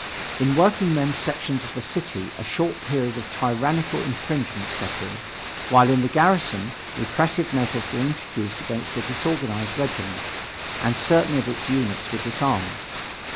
In workingmen's sections of the city a short period of tyrannical infringements set in, while in the garrison repressive measures were introduced against the disorganized regiments, and certain of its units were disarmed.